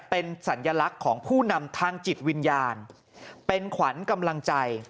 เป็นสัญลักษณ์ของผู้นำทางจิตวิญญาณเป็นขวัญกำลังใจ